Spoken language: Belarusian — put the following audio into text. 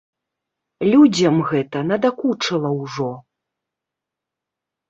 Людзям гэта надакучыла ўжо.